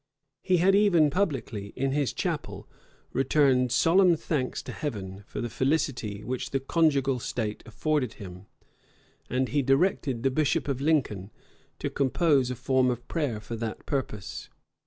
He had even publicly, in his chapel, returned solemn thanks to Heaven for the felicity which the conjugal state afforded him; and he directed the bishop of Lincoln to compose a form of prayer for that purpose.